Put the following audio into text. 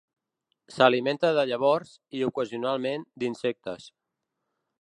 S'alimenta de llavors i, ocasionalment, d'insectes.